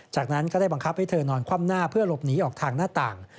จากนั้นก็ได้บังคับให้เธอนอนคว่ำหน้าเพื่อหลบหนีออกทางหน้าต่าง